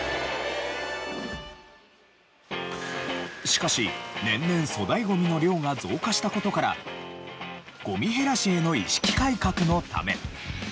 しかし年々粗大ゴミの量が増加した事からゴミ減らしへの意識改革のため。